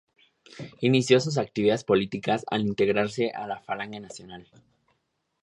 Inició sus actividades políticas al integrarse a la Falange Nacional.